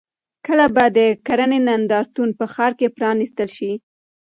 کله به د کرنې نندارتون په ښار کې پرانیستل شي؟